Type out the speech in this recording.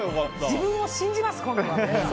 自分を信じます、今度は。